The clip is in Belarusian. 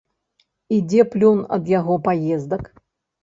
І дзе плён ад яго паездак?